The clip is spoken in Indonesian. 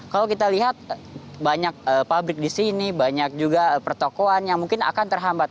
kalau kita lihat banyak pabrik di sini banyak juga pertokoan yang mungkin akan terhambat